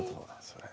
それ。